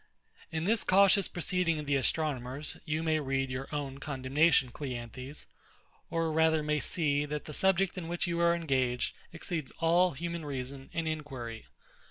In this cautious proceeding of the astronomers, you may read your own condemnation, CLEANTHES; or rather may see, that the subject in which you are engaged exceeds all human reason and inquiry.